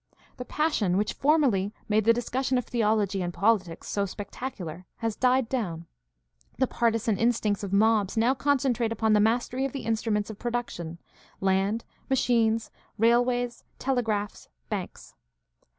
The pas sion which formerly made the discussion of theology and politics so spectacular has died down ; the partisan instincts of mobs now concentrate upon the mastery of the instruments of production — land, machines, railways, telegraphs, banks.